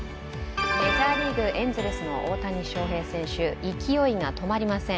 メジャーリーグ、エンゼルスの大谷翔平選手、勢いが止まりません。